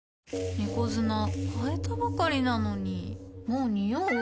猫砂替えたばかりなのにもうニオう？